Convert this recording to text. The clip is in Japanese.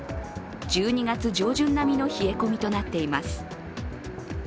１２月上旬並みの冷え込みとなっています。